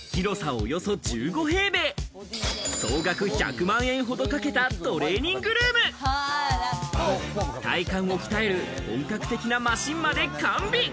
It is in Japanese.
およそ１５平米、総額１００万円ほどかけたトレーニングルーム、体幹を鍛える本格的なマシンまで完備。